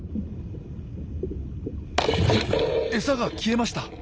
餌が消えました！